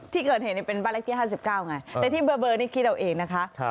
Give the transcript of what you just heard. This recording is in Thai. ที่เกิดเหตุเป็นบ้านเลขที่๕๙ไงแต่ที่เบอร์นี้คิดเอาเองนะคะ